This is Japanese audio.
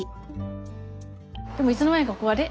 でもいつの間にかあれ？